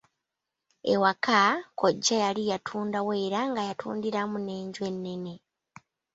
Ewaka, kkojja yali yatundawo era nga yatundiramu n'enju ennene.